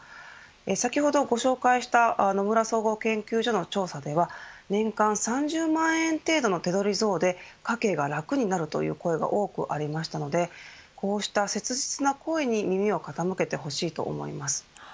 先ほどご紹介した野村総合研究所の調査では年間３０万円程度の手取り増で家計が楽になるとの声が多くありましたのでこうした切実な声に耳を傾けてほしいと思います。